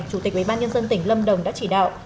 chủ tịch ubnd tỉnh lâm đồng đã chỉ đạo